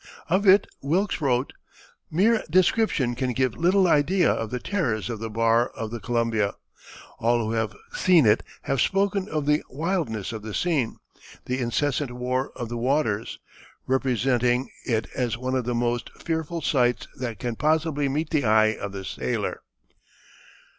Of it Wilkes wrote: "Mere description can give little idea of the terrors of the bar of the Columbia. All who have seen it have spoken of the wildness of the scene, the incessant war of the waters, representing it as one of the most fearful sights that can possibly meet the eye of the sailor."